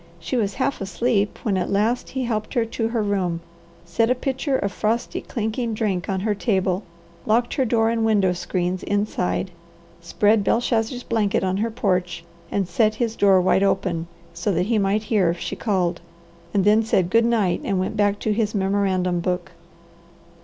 She was half asleep when at last he helped her to her room, set a pitcher of frosty, clinking drink on her table, locked her door and window screens inside, spread Belshazzar's blanket on her porch, and set his door wide open, that he might hear if she called, and then said good night and went back to his memorandum book.